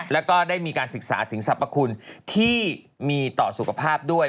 แล้วก็ได้มีการศึกษาถึงสรรพคุณที่มีต่อสุขภาพด้วย